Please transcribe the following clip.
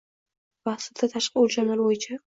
va aslida, tashqi o‘lchamlar bo‘yicha